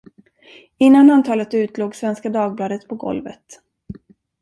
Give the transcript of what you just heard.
Innan han talat ut låg Svenska Dagbladet på golvet.